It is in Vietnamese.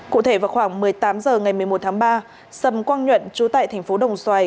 cụ thể vào khoảng một mươi tám h ngày một mươi một tháng ba sầm quang nhuận trú tại tp đồng xoài